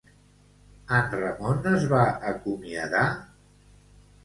En Ramon es va acomiadar?